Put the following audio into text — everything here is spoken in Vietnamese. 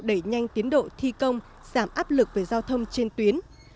đẩy nhanh tiến độ thi công giảm áp lực về giao thông trên tuyến